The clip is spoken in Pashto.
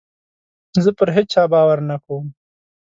زه پر هېچا باور نه کوم.